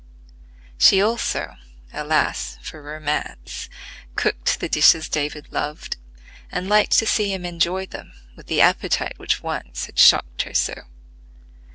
She also—alas, for romance!—cooked the dishes David loved, and liked to see him enjoy them with the appetite which once had shocked her so.